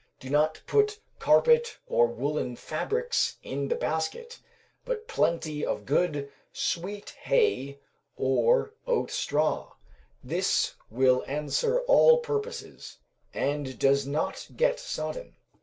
Do not put carpet or woollen fabrics in the basket, but plenty of good, sweet hay or oat straw; this will answer all purposes, and does not get sodden.